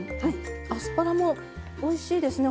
アスパラもおいしいですね